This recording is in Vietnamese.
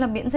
bê bối này